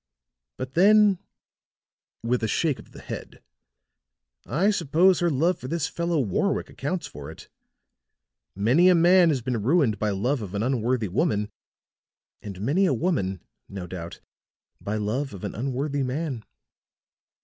But then," with a shake of the head, "I suppose her love for this fellow Warwick accounts for it. Many a man has been ruined by love of an unworthy woman, and many a woman, no doubt, by love of an unworthy man."